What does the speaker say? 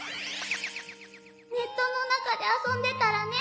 ネットの中で遊んでたらね